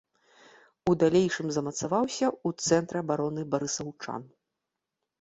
У далейшым замацаваўся ў цэнтры абароны барысаўчан.